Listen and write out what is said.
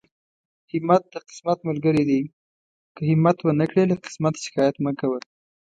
همت د قسمت ملګری دی، که همت ونکړې له قسمت شکايت مکوه.